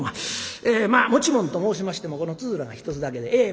まあ持ち物と申しましてもこのつづらが１つだけで。